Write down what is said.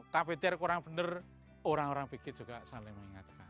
kapitir kurang benar orang orang pikir juga saling mengingatkan